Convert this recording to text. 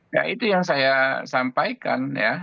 nah itu yang saya sampaikan ya